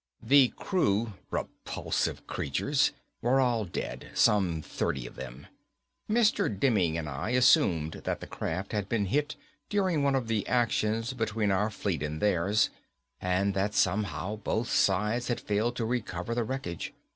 The crew repulsive creatures were all dead. Some thirty of them. Mr. Demming and I assumed that the craft had been hit during one of the actions between our fleet and theirs and that somehow both sides had failed to recover the wreckage.